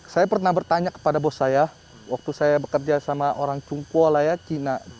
saya pernah bertanya kepada bos saya waktu saya bekerja sama orang cungpo lah ya cina